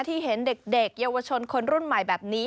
ที่เห็นเด็กเยาวชนคนรุ่นใหม่แบบนี้